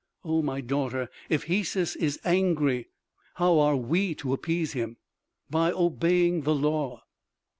"Oh, my daughter, if Hesus is angry, how are we to appease him?" "By obeying the law.